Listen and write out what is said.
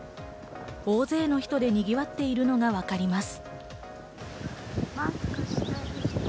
大勢の人でにぎわっているのがわかります。